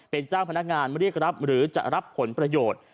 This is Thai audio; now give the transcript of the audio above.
เป็นเจ้าพนักงานเรียกรับหรือจะรับผลประโยชน์